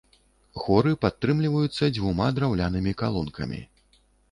Хоры падтрымліваюцца дзвюма драўлянымі калонкамі.